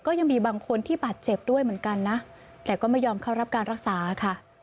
ก็ยังมีบางคนที่บาดเจ็บด้วยเหมือนกันนะแต่ก็ไม่ยอมเข้ารับการรักษาค่ะ